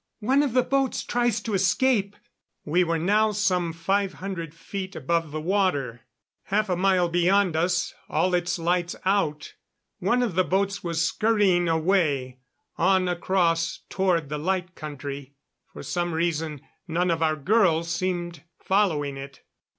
"One of the boats tries to escape." We were now some five hundred feet above the water. Half a mile beyond us, all its lights out, one of the boats was scurrying away, on across toward the Light Country. For some reason none of our girls seemed following it.